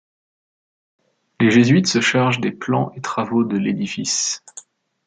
Les Jésuites se chargent des plans et travaux de l'édifice.